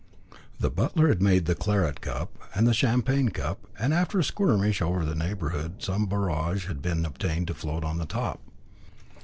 The butler had made the claret cup and the champagne cup, and after a skirmish over the neighbourhood some borage had been obtained to float on the top.